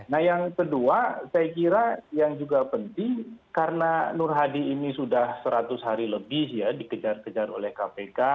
nah yang kedua saya kira yang juga penting karena nur hadi ini sudah seratus hari lebih ya dikejar kejar oleh kpk